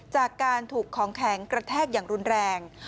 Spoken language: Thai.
จากการถูกของแข็งกระแทกอย่างรุนแรง